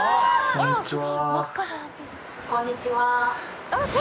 こんにちは。